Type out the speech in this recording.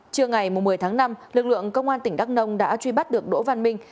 trưa ngày một mươi tháng năm lực lượng công an tỉnh đắk nông đã truy bắt được đỗ văn minh